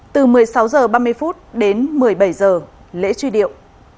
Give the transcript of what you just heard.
từ một mươi sáu h ba mươi đến một mươi bảy h lễ truy điệu